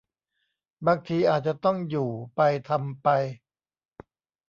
บางทีอาจจะต้องอยู่ไปทำไป